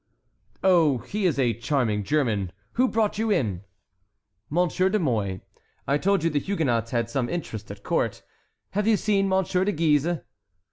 "Oh, he is a charming German. Who brought you in?" "M. de Mouy—I told you the Huguenots had some interest at court. Have you seen Monsieur de Guise?"